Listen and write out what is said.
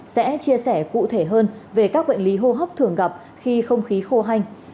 sẽ chia sẻ cụ thể hơn về các bệnh lý hô hấp thường gặp khi không khí khô hanh